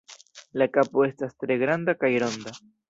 La kapo estas tre granda kaj ronda.